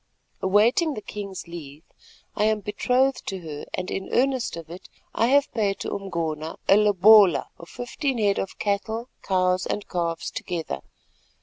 Awaiting the king's leave I am betrothed to her and in earnest of it I have paid to Umgona a lobola of fifteen head of cattle, cows and calves together.